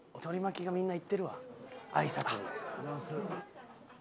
取り巻きがみんな行ってるわあいさつに。